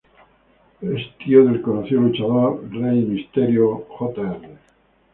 Es tío del conocido luchador Rey Mysterio Jr.